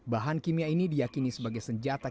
bahan kimia ini diakini sebagai senjata